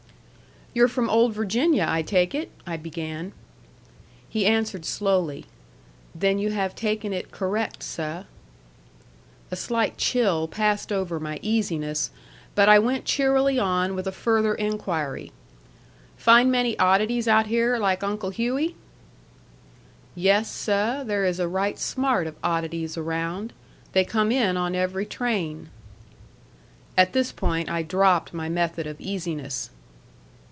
"You're from old Virginia, I take it?" I began. He answered slowly, "Then you have taken it correct, seh." A slight chill passed over my easiness, but I went cheerily on with a further inquiry. "Find many oddities out here like Uncle Hughey?" "Yes, seh, there is a right smart of oddities around. They come in on every train." At this point I dropped my method of easiness.